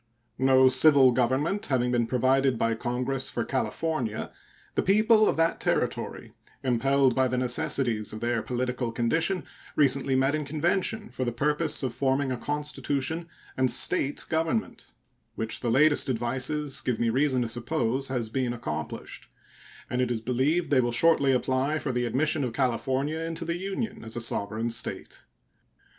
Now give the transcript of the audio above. No civil government having been provided by Congress for California, the people of that Territory, impelled by the necessities of their political condition, recently met in convention for the purpose of forming a constitution and State government, which the latest advices give me reason to suppose has been accomplished; and it is believed they will shortly apply for the admission of California into the Union as a sovereign State.